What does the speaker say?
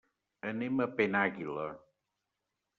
Anem a Penàguila.